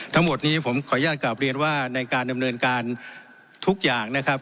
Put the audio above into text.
ทั้งหมดนี้ผมขออนุญาตกลับเรียนว่าในการดำเนินการทุกอย่างนะครับ